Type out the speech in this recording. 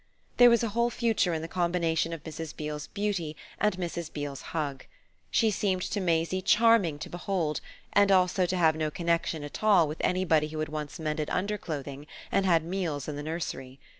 There was a whole future in the combination of Mrs. Beale's beauty and Mrs. Beale's hug. She seemed to Maisie charming to behold, and also to have no connexion at all with anybody who had once mended underclothing and had meals in the nursery.